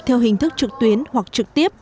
theo hình thức trực tuyến hoặc trực tiếp